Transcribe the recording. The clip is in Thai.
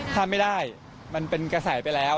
ถ้าไม่ได้มันเป็นกระแสไปแล้ว